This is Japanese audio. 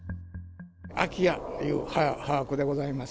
空き家という把握でございます。